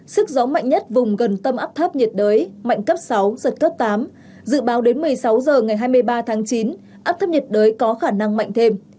sức gió mạnh nhất vùng gần tâm áp thấp nhiệt đới mạnh cấp sáu giật cấp tám dự báo đến một mươi sáu h ngày hai mươi ba tháng chín áp thấp nhiệt đới có khả năng mạnh thêm